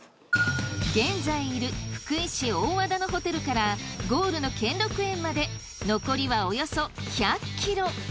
現在いる福井市大和田のホテルからゴールの兼六園まで残りはおよそ１００ｋｍ。